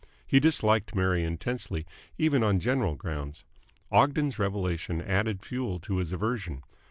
He disliked Mary intensely, even on general grounds. Ogden's revelation added fuel to his aversion.